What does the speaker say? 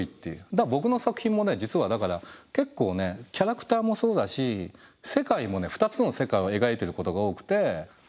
だから僕の作品もね実はだから結構ねキャラクターもそうだし世界もね２つの世界を描いていることが多くて。